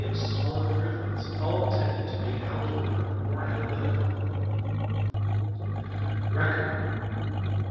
of small improvements all tending to make algebra more analytical. Record.